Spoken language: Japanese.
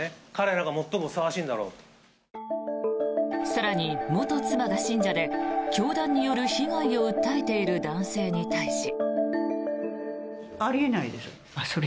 更に、元妻が信者で教団による被害を訴えている男性に対し。